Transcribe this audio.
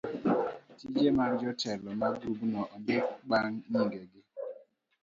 tije mag jotelo mag grubno ondik bang' nyingegi.